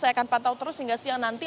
saya akan pantau terus hingga siang nanti